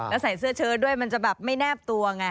แล้วใส่เสื้อเชิดด้วยมันจะแบบไม่แนบตัวไง